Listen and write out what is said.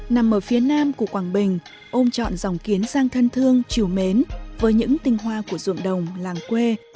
nằm ở phía nam của quảng bình ôm chọn dòng kiến giang thân thương chiều mến với những tinh hoa của ruộng đồng làng quê